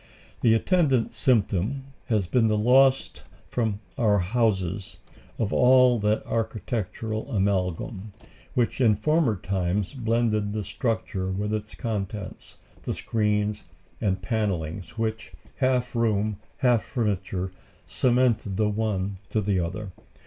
The attendant symptom has been the loss from our houses of all that architectural amalgam, which in former times blended the structure with its contents, the screens and panellings, which, half room, half furniture, cemented the one to the other.